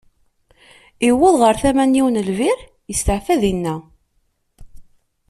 Iwweḍ ɣer tama n yiwen n lbir, isteɛfa dinna.